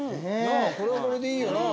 これはこれでいいよな。